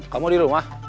kamu di rumah